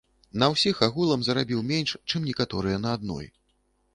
На ўсіх агулам зарабіў менш, чым некаторыя на адной.